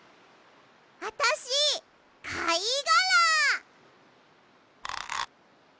あたしかいがら！